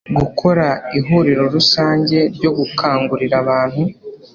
gukora ihuriro rusange ryo gukangurira abantu